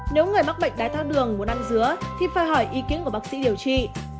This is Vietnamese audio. nếu người mắc bệnh đái tháo đường muốn ăn dứa thì phải hỏi ý kiến của bác sĩ điều trị